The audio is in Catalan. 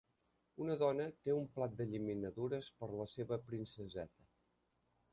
Una dona té un plat de llaminadures per a la seva princeseta.